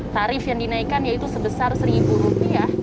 tarif yang dinaikkan yaitu sebesar rp satu